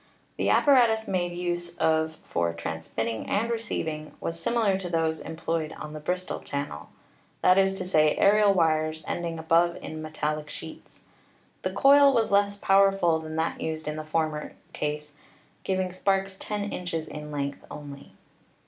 The appa ratus made use of for transmitting and receiving was similar to those employed on the Bristol Channel; that is to say, aerial wires ending above in metallic sheets. The coil was less powerful than that used in the former case, giving sparks 10 inches in length only.